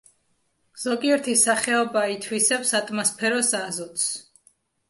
ზოგიერთი სახეობა ითვისებს ატმოსფეროს აზოტს.